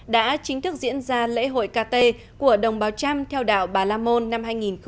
đã chính thức diễn ra lễ hội kt của đồng báo trăm theo đạo bà la môn năm hai nghìn một mươi sáu